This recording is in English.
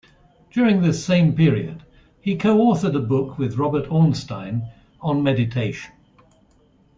During this same period, he co-authored a book with Robert Ornstein on meditation.